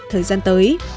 thời gian tới